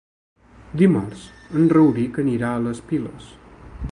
Dimarts en Rauric anirà a les Piles.